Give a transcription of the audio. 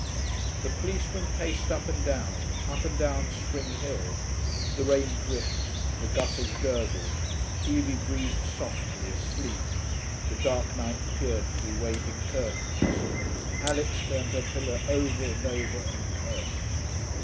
The policeman paced up and down, up and down Spring Hill, the rain dripped, the gutters gurgled, Evie breathed softly, asleep, the dark night peered through waving curtains, Alix turned her pillow over and over and cursed.